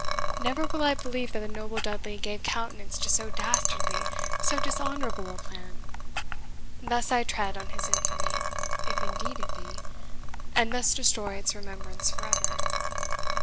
Never will I believe that the noble Dudley gave countenance to so dastardly, so dishonourable a plan. Thus I tread on his infamy, if indeed it be, and thus destroy its remembrance for ever!"